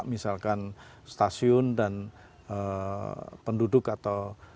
misalkan stasiun dan penduduk atau